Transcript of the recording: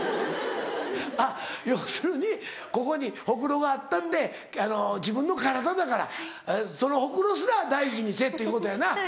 要するにここにほくろがあったって自分の体だからそのほくろすら大事にせぇということやな。